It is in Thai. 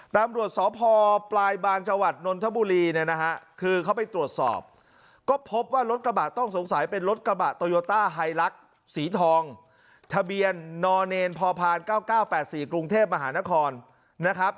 ทะเบียนนอนเอนพพ๙๙๘๔กรุงเทพฯมหานครนะครับ